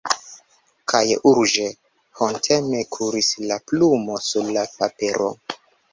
Kaj urĝe, honteme kuris la plumo sur la papero.